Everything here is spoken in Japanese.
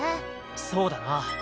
そうだな。